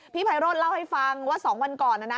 ไพโรธเล่าให้ฟังว่า๒วันก่อนนะนะ